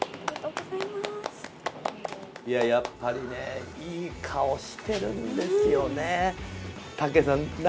やっぱりいい顔してるんですよね。